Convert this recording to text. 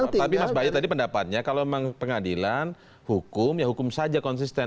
tapi mas bayu tadi pendapatnya kalau memang pengadilan hukum ya hukum saja konsisten